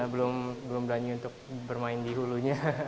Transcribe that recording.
belum berani untuk bermain di hulunya